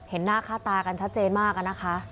หน้าค่าตากันชัดเจนมากอะนะคะ